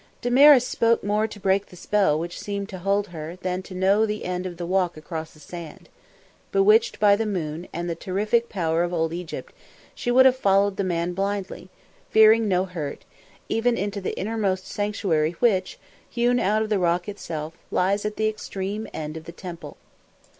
Damaris spoke more to break the spell which seemed to hold her than to know the end of the walk across the sand. Bewitched by the moon and the terrific power of old Egypt, she would have followed the man blindly, fearing no hurt, even into the inner most sanctuary which, hewn out of the rock itself, lies at the extreme end of the temple.